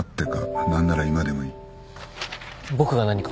僕が何か。